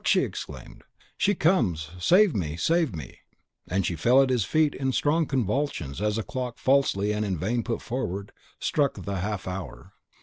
she exclaimed. "She comes! Save me, save me!" and she fell at his feet in strong convulsions as the clock, falsely and in vain put forward, struck the half hour.